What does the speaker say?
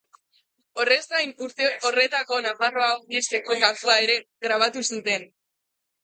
Horrez gain, urte horretako Nafarroa Oinez-eko kantua ere grabatu zuten.